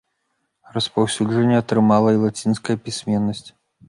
Распаўсюджванне атрымала і лацінская пісьменнасць.